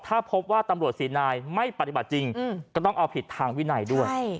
ถ้าพบว่าตำรวจสี่นายไม่ปฏิบัติจริงก็ต้องเอาผิดทางวินัยด้วย